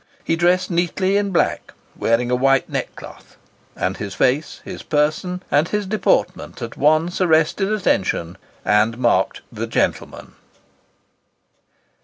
He dressed neatly in black, wearing a white neckcloth; and his face, his person, and his deportment at once arrested attention, and marked the Gentleman.